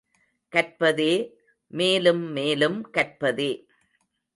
கற்பதே, மேலும் மேலும் கற்பதே.